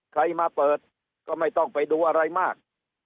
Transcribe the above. ใครมาเปิดก็ไม่ต้องไปดูอะไรมาก